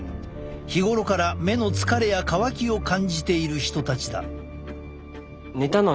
日頃から目の疲れや乾きを感じている人たちだ。